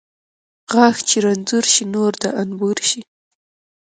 غاښ چې رنځور شي، نور د انبور شي.